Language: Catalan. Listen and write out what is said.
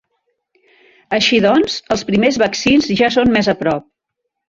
Així doncs, els primers vaccins ja són més a prop.